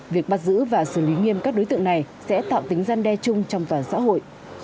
việc bắt giữ và xử lý nghiêm các đối tượng này sẽ tạo tính gian đe chung trong toàn xã hội